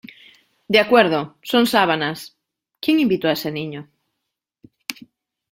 De acuerdo, son sábanas. ¿ quién invitó a ese niño?